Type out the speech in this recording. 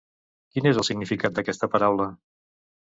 Quin és el significat d'aquesta paraula?